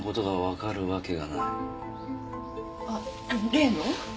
あっ例の？